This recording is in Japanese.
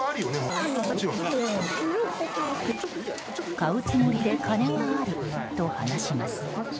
買うつもりで金はあると話します。